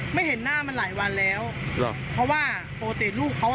ถ้าเกิดเขากลับมาจากต่อป้านจัดเขาจะนอนอยู่กับลูกเขาค่ะ